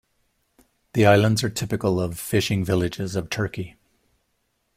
The islands are typical of fishing villages of Turkey.